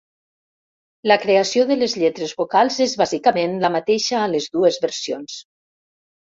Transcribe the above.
La creació de les lletres vocals és bàsicament la mateixa a les dues versions.